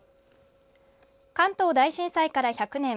関東大震災から１００年。